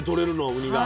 ウニが。